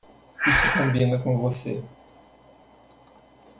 Isso combina com você?